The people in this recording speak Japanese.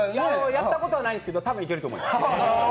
やったことはないんですけど多分いけると思います。